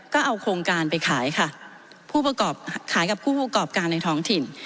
ก็เอาโครงการไปขายค่ะผู้ประกอบขายกับผู้ประกอบการในท้องถิ่น